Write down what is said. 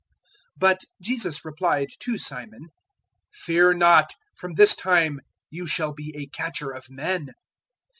But Jesus replied to Simon, "Fear not: from this time you shall be a catcher of men."